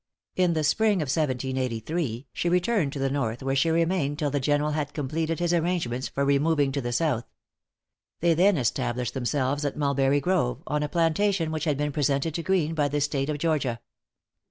In the spring of 1783, she returned to the North where she remained till the General had completed his arrangements for removing to the South. They then established themselves at Mulberry Grove, on a plantation which had been presented to Greene by the State of Georgia.